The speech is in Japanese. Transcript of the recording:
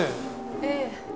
ええ。